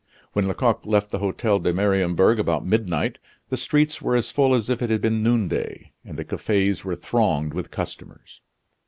When Lecoq left the Hotel de Mariembourg about midnight, the streets were as full as if it had been noonday, and the cafes were thronged with customers.